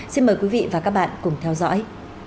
xin mời quý vị và các bạn cùng theo dõi